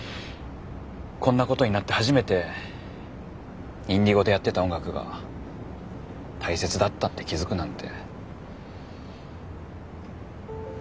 こんなことになって初めてＩｎｄｉｇｏでやってた音楽が大切だったって気付くなんて。